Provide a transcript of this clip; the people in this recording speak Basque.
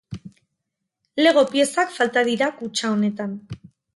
Lego piezak falta dira kutxa honetan.